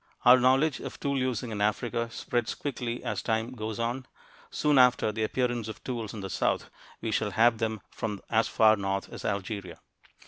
Our knowledge of tool using in Africa spreads quickly as time goes on: soon after the appearance of tools in the south we shall have them from as far north as Algeria.